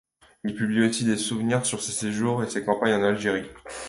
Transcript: Il publie aussi des souvenirs sur ses séjours et ses campagnes en Algérie.